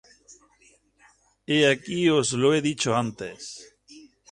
He aquí os lo he dicho antes.